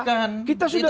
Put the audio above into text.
kenapa kita sudah lihat